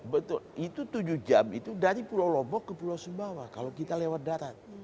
betul itu tujuh jam itu dari pulau lombok ke pulau sumbawa kalau kita lewat darat